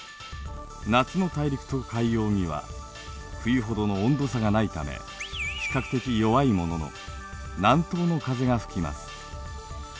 夏の大陸と海洋には冬ほどの温度差がないため比較的弱いものの南東の風が吹きます。